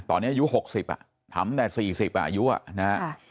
ตอนนี้อายุ๖๐อ่ะทำได้๔๐อายุอ่ะนะฮะ